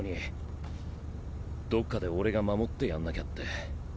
どっかで俺が守ってやんなきゃって。